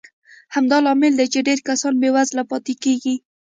همدا لامل دی چې ډېر کسان بېوزله پاتې کېږي.